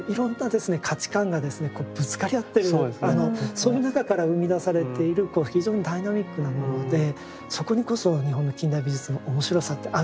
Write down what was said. その中から生み出されている非常にダイナミックなものでそこにこそ日本の近代美術の面白さってあると思うんですね。